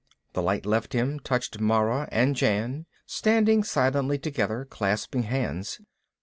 The light left him, touching Mara and Jan, standing silently together, clasping hands.